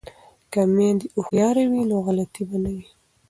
که میندې هوښیارې وي نو غلطي به نه وي.